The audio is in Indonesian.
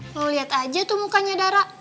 lo liat aja tuh mukanya dara